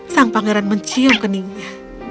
sang pangeran mencium keningnya